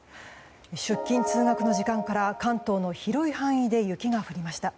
出勤や通学の時間から関東の広い範囲で雪が降りました。